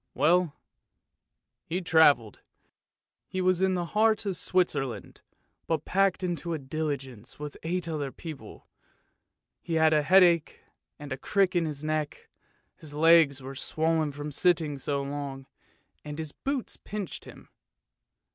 Well, he travelled. He was in the heart of Switzerland, but packed into a diligence with eight other people. He had a headache and a crick in his neck, his legs were swollen from sitting so long, and his boots pinched him.